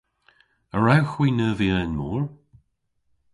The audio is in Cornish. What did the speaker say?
A wrewgh hwi neuvya y'n mor?